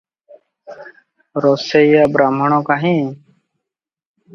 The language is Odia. ରୋଷେଇଆ ବାହ୍ମୁଣ କାହିଁ?